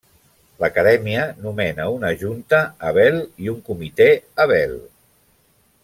L'Acadèmia nomena una Junta Abel i un Comitè Abel.